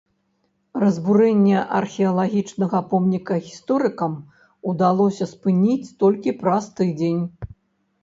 Разбурэнне археалагічнага помніка гісторыкам удалося спыніць толькі праз тыдзень.